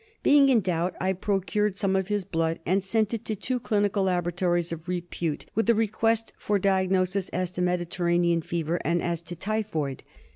Being in doubt, I procured some of his blood and sent it to two clinical labora tories of repute, with a request for diagnosis as to Mediterranean fever and as to typhoid.